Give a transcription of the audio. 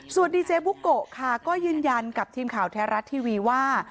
ส่วนดีเจบุโกะค่ะก็ยืนยันกับทีมข่าวแท้รัฐทีวีว่า